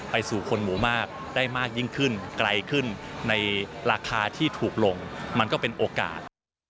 สู่คนหมู่มากได้มากยิ่งขึ้นไกลขึ้นในราคาที่ถูกลงมันก็เป็นโอกาส